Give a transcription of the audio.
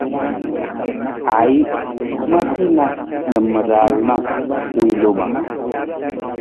Aaji, ma cina na ma raala wi loma.